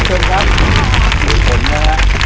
สวัสดีคุณค่ะ